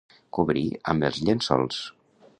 Cobrir amb els llençols.